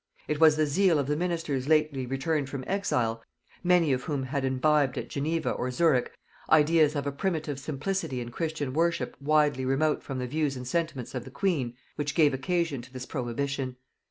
It was the zeal of the ministers lately returned from exile, many of whom had imbibed at Geneva or Zurich ideas of a primitive simplicity in Christian worship widely remote from the views and sentiments of the queen, which gave occasion to this prohibition.